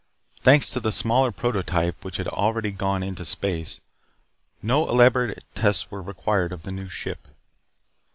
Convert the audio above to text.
Thanks to the smaller prototype which had already gone into space, no elaborate tests were required of the new ship.